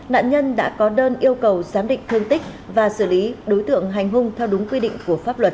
nạn nhân đã có đơn yêu cầu giám định thương tích và xử lý đối tượng hành hung theo đúng quy định của pháp luật